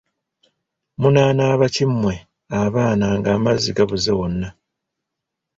Munaanaaba ki mmwe abaana ng'amazzi gabuze wonna?